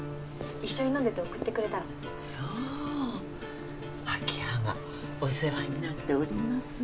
一緒に飲んでて送ってくれたのそう明葉がお世話になっております